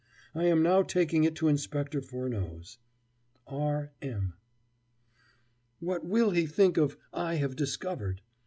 I am now taking it to Inspector Furneaux's. R. M. "What will he think of 'I have discovered'?"